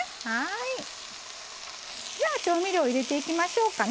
じゃあ調味料入れていきましょうかね。